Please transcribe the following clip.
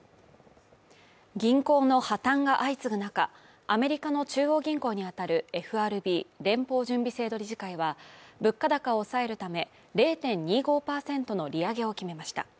銀行の破綻が相次ぐ中、アメリカの中央銀行にあたるＦＲＢ＝連邦準備制度理事会は物価高を抑えるため、０．２５％の利上げを決めました。